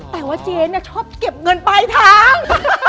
แต่ว่าเจ๊ชอบเก็บเงินไปทั้ง